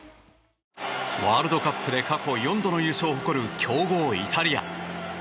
ワールドカップで過去４度の優勝を誇る強豪イタリア。